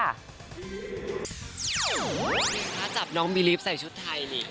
นี่คะจับน้องบีรีฟใส่ชุดไทยนี่